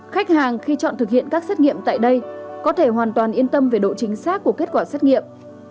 khách hàng khi chọn thực hiện các xét nghiệm tại đây có thể hoàn toàn yên tâm về độ chính xác của kết quả xét nghiệm